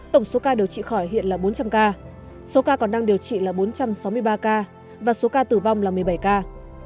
tổng số ca điều trị khỏi hiện là bốn trăm linh ca số ca còn đang điều trị là bốn trăm sáu mươi ba ca và số ca tử vong là một mươi bảy ca